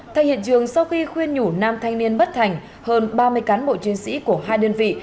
thay hiện trường sau khi khuyên nhủ nam thanh niên bất thành hơn ba mươi cán bộ chiến sĩ của hai đơn vị